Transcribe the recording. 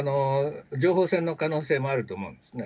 情報戦の可能性もあると思うんですね。